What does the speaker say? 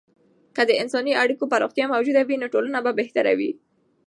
که د انساني اړیکو پراختیا موجوده وي، نو ټولنه به بهتره وي.